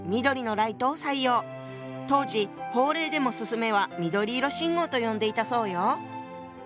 当時法令でも「進め」は「緑色信号」と呼んでいたそうよ。